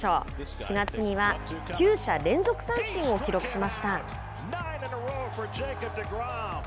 ４月には９者連続三振を記録しました。